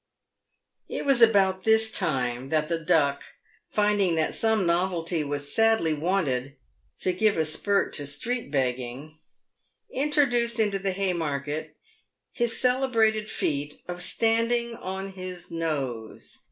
It was about this time that the Duck, finding that some novelty was sadly wanted to give a spirt to street begging, introduced into the Haymarket his celebrated feat of " standing on his nose."